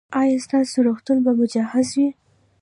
ایا ستاسو روغتون به مجهز وي؟